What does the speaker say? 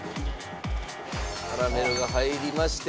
カラメルが入りまして。